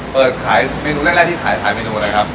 เปิดขายเมนูแรกที่ขายขายเมนูอะไรครับ